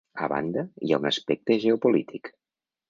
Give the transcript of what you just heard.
A banda, hi ha un aspecte geopolític.